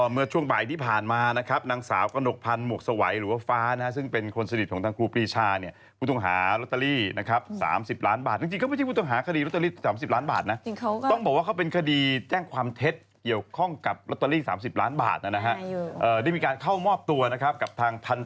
เมื่อช่วงบ่ายที่ผ่านมานางสาวกรณกภัณฑ์หมวกสวัยหรือฟ้าน